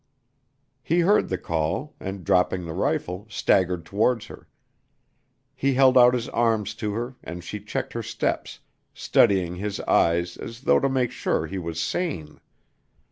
He heard the call and, dropping the rifle, staggered towards her. He held out his arms to her and she checked her steps, studying his eyes as though to make sure he was sane.